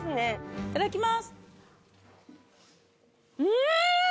いただきます。